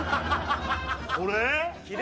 これ？